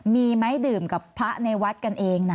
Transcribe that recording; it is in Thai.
มีไหมดื่มกับพระในวัดกันเองนะ